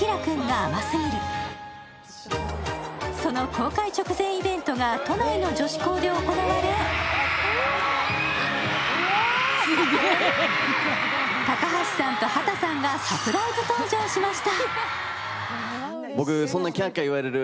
公開直前イベントが都内の女子校で行われ高橋さんと畑さんがサプライズ登場しました。